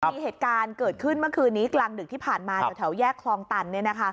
มีเหตุการณ์เกิดขึ้นเมื่อคืนนี้กลางดึกที่ผ่านมาแถวแยกคลองตัน